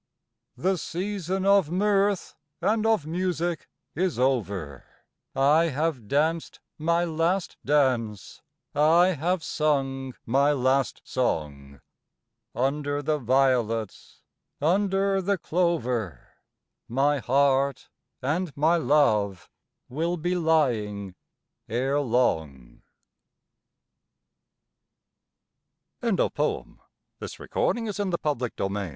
The season of mirth and of music is over— I have danced my last dance, I have sung my last song, Under the violets, under the clover, My heart and my love will be lying ere long FOES Thank Fate for foes! I hold mine dear As